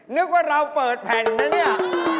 นึกว่าเราเปิดแผ่นนะเนี่ย